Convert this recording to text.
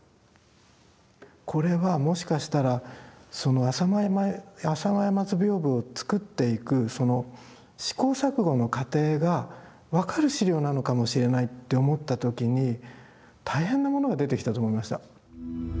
これはもしかしたらその「浅間山図屏風」を作っていくその試行錯誤の過程が分かる資料なのかもしれないって思った時に大変なものが出てきたと思いました。